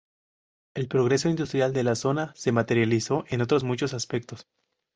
El progreso industrial de la zona se materializó en otros muchos aspectos.